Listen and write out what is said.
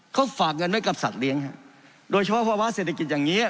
เขาฝากเงินไว้กับสัตว์เลี้ยงฮะโดยเฉพาะภาวะเศรษฐกิจอย่างนี้